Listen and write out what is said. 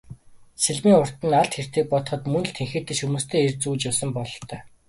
Сэлмийн урт нь алд хэртэйг бодоход мөн л тэнхээтэй шөрмөстэй эр зүүж явсан бололтой.